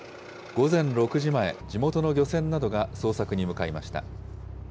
午前６時前、地元の漁船などが捜索に向かいました。